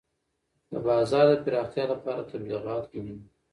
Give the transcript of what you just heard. د بازار د پراختیا لپاره تبلیغات مهم دي.